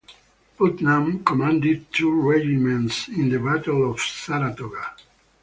Putnam commanded two regiments in the battle of Saratoga.